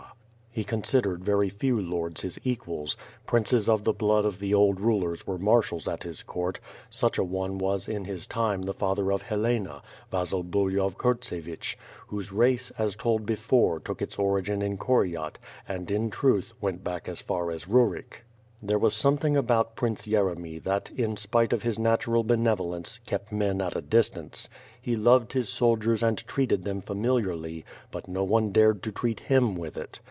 He considered very few lords his equals, princes of the blood of the old rulers were marshals at his court, such a one was in his time the father of Helena, Vasil Bulyhov Kurtsevich, whose race, as told before took its origin in Koryat and, in truth, went back as far as Ruryk. There was something about Prince Yeremy that, in spite of his natural benevolence, kept men at a distance. He loved his soldiers and treated them familiarly — but no one dared to treat him with it.